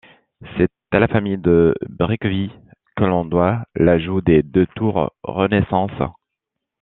C'est à la famille de Bricqueville que l'on doit l'ajout des deux tours Renaissance.